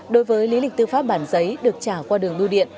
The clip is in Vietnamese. đối với lý lịch tư pháp bản giấy được trả qua đường biêu điện